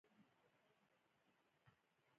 د انسان د غړو پرې کول نور جنایتونه وو.